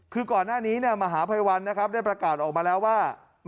คือก่อนหน้านี้มหาภัยวันนะครับได้ประกาศออกมาแล้วว่า